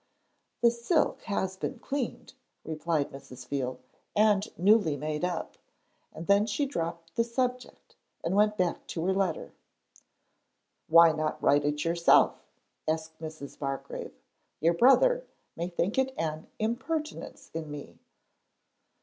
'The silk has been cleaned,' replied Mrs. Veal, 'and newly made up,' and then she dropped the subject and went back to her letter. 'Why not write it yourself?' asked Mrs. Bargrave. 'Your brother may think it an impertinence in me.'